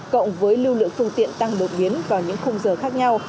cộng với lưu lượng phương tiện tăng đột biến vào những khung giờ khác nhau